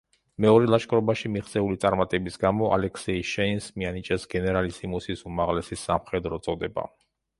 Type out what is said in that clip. მეორე ლაშქრობაში მიღწეული წარმატების გამო ალექსეი შეინს მიანიჭეს გენერალისიმუსის უმაღლესი სამხედრო წოდება.